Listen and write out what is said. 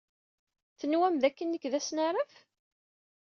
Tenwam d akken nekk d asnaraf?